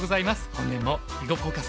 本年も「囲碁フォーカス」